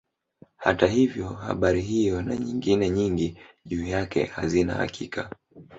Hata hivyo habari hiyo na nyingine nyingi juu yake hazina hakika.